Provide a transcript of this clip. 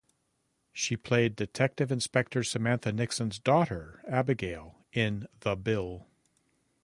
She played Detective Inspector Samantha Nixon's daughter Abigail in "The Bill".